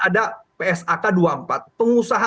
ada psak dua puluh empat pengusaha